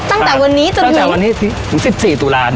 ตั้งแต่วันที่๑๔ตุลาณีครับ